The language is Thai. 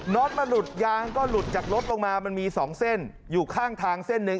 ็อตมันหลุดยางก็หลุดจากรถลงมามันมี๒เส้นอยู่ข้างทางเส้นหนึ่ง